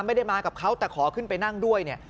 ไม่ได้มากับเขาแต่ขอขึ้นไปนั่งด้วยเนี่ย